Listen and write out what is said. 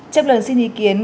trong lần xin ý kiến